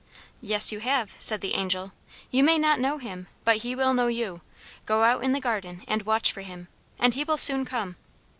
"Yes, you have," said the Angel. "You may not know him, but he will know you. Go out in the garden and watch for him, and he will soon come."